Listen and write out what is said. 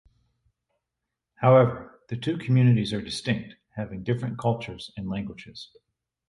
However, the two communities are distinct, having different cultures and languages.